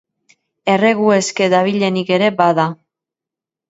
Erregu eske dabilenik ere bada.